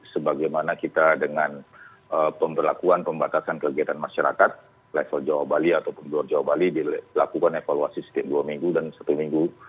sebagaimana kita dengan pemberlakuan pembatasan kegiatan masyarakat level jawa bali ataupun luar jawa bali dilakukan evaluasi setiap dua minggu dan satu minggu